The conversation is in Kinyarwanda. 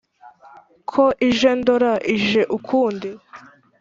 Ko ije ndora ije ukundi !